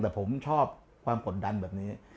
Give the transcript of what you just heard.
แต่ผมชอบความกดดันแบบนี้